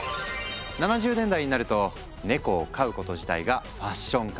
７０年代になるとネコを飼うこと自体がファッション化。